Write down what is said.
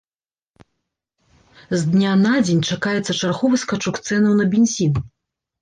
З дня на дзень чакаецца чарговы скачок цэнаў на бензін.